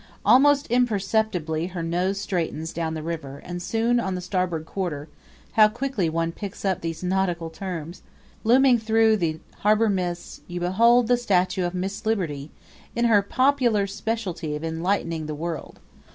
Almost imperceptibly her nose straightens down the river and soon on the starboard quarter how quickly one picks up these nautical terms! looming through the harbor mists, you behold the statue of Miss Liberty, in her popular specialty of enlightening the world.